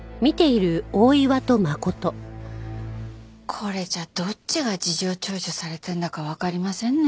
これじゃどっちが事情聴取されてんだかわかりませんね。